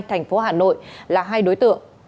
thành phố hà nội là hai đối tượng